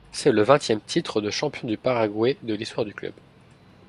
C'est le vingtième titre de champion du Paraguay de l’histoire du club.